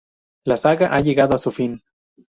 La saga ha llegado a su fin.